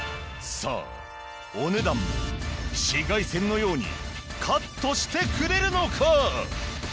さあお値段も紫外線のようにカットしてくれるのか！？